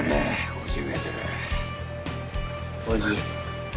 ５０。